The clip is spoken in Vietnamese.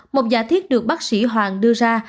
một giả thiết được bác sĩ hoàng đưa ra